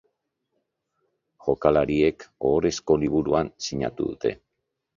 Jokalariek ohorezko liburuan sinatu dute.